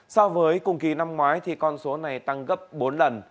so với cùng kỳ năm ngoái thì con số này tăng gấp bốn lần